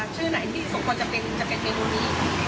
ชื่อไหนที่สมควรจะเป็นกาไก่เฟนโมนี้